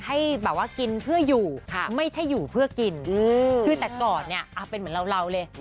ให้แบบว่ากินเพื่ออยู่ไม่ใช่อยู่เพื่อกินคือแต่ก่อนเนี่ยเป็นเหมือนเราเลย